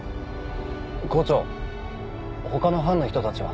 校長他の班の人たちは？